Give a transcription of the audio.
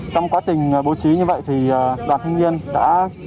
trong quá trình bố trí như vậy thì đoàn thanh niên đã